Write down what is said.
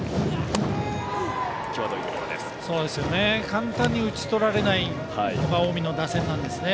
簡単に打ち取られないのが近江の打線なんですよね。